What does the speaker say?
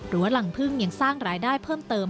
หลังพึ่งยังสร้างรายได้เพิ่มเติม